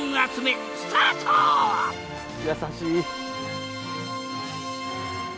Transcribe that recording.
優しい。